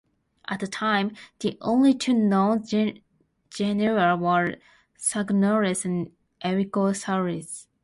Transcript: At the time, the only two known genera were "Segnosaurus" and "Erlikosaurus".